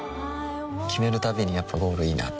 決めるたびにやっぱゴールいいなってふん